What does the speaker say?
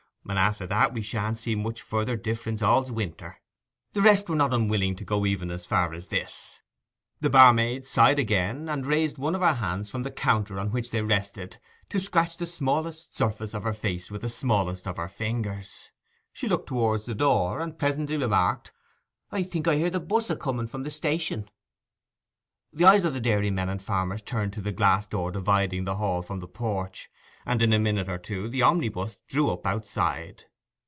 'And after that we shan't see much further difference all's winter.' The rest were not unwilling to go even so far as this. The barmaid sighed again, and raised one of her hands from the counter on which they rested to scratch the smallest surface of her face with the smallest of her fingers. She looked towards the door, and presently remarked, 'I think I hear the 'bus coming in from station.' The eyes of the dairymen and farmers turned to the glass door dividing the hall from the porch, and in a minute or two the omnibus drew up outside.